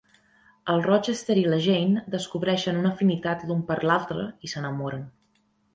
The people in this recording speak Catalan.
El Rochester i la Jane descobreixen una afinitat l'un per l'altre i s'enamoren.